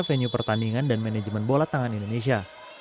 venue pertandingan dan manajemen bola tangan indonesia